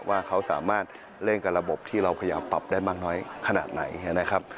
ว่าเขาสามารถเล่นกับระบบที่เราพยายามปรับได้มากน้อยขนาดไหนนะครับ